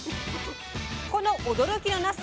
この驚きのなす